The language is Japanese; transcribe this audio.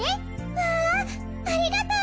わぁありがとう！